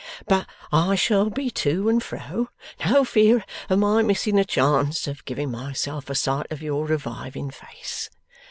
But I shall be to and fro. No fear of my missing a chance of giving myself a sight of your reviving face.